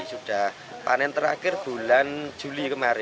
sudah panen terakhir bulan juli kemarin